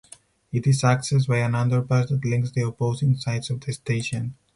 It is accessed by an underpass that links the opposing sides of the station.